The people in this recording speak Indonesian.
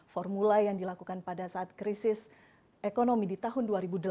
formula yang dilakukan pada saat krisis ekonomi di tahun dua ribu delapan